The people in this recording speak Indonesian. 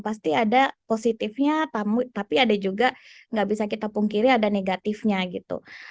pasti ada positifnya tapi ada juga nggak bisa kita pungkiri ada negatifnya gitu